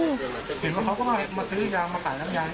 หยุดว่าเค้าก็มาซื้อยางมาขายน้ำยาง